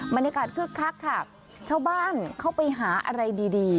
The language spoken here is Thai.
บรรยากาศคือคลักค่ะชาวบ้านเข้าไปหาอะไรดีดี